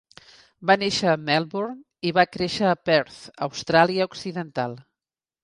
Va néixer a Melbourne i va créixer a Perth, Austràlia Occidental.